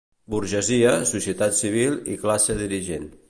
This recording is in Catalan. Burgesia, societat civil i classe dirigent.